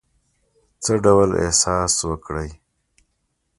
څه ډول احساس وکړی.